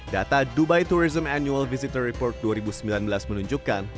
data dubai tourism annual visitor report dua ribu sembilan belas menunjukkan